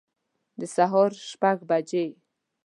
د سهار شپږ بجي